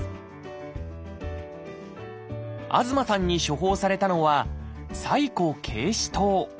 東さんに処方されたのは「柴胡桂枝湯」。